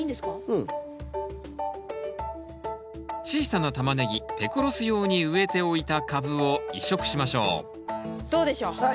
小さなタマネギペコロス用に植えておいた株を移植しましょうどうでしょう？